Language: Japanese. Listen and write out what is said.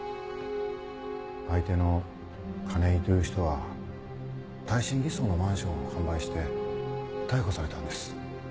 相手の金井という人は耐震偽装のマンションを販売して逮捕されたんです。